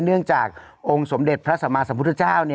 เนื่องจากองค์สมเด็จพระสัมมาสัมพุทธเจ้า